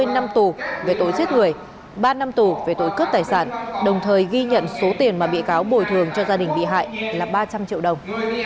hai mươi năm tù về tội giết người ba năm tù về tội cướp tài sản đồng thời ghi nhận số tiền mà bị cáo bồi thường cho gia đình bị hại là ba trăm linh triệu đồng